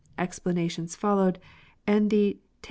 Explanations followed, and the Tls.